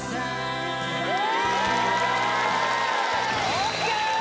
ＯＫ